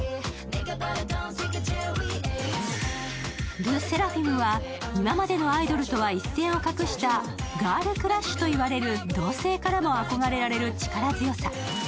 ＬＥＳＳＥＲＡＦＩＭは今までのアイドルとは一線を画したガールクラッシュと言われる同性からも憧れられる力強さ。